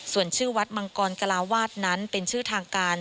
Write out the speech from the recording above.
ส่วนชื่อวัดมังกรกลาวาสนั้นเป็นชื่อทางการ